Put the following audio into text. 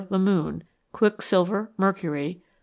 The Moon ..]) Quicksilver . Mercury